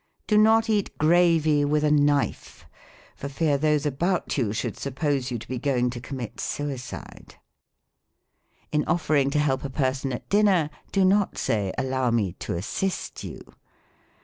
Do not eat gravy with a knife, for fear those about you should suppose you to be going to commit suicide. In offering to help a person at dinner, do not say, " Allow me to assist you."